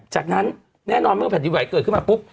จากนั้นแน่นอนเมื่อแผ่นดินไหวเกิดขึ้นมาปุ๊บ